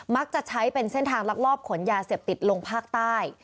ใช้เป็นเส้นทางลักลอบขนยาเสพติดลงภาคใต้